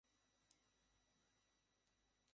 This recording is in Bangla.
কয়েকবছর আগে তোলা।